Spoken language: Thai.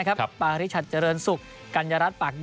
รับอันทึง